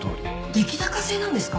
出来高制なんですか！？